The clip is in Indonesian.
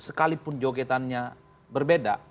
sekalipun jogetannya berbeda